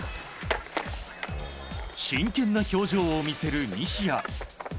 真剣な表情を見せる西矢。